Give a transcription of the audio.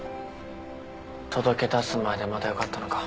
届け出す前でまだよかったのか。